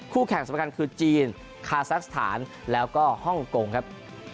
แข่งสำคัญคือจีนคาซักสถานแล้วก็ฮ่องกงครับ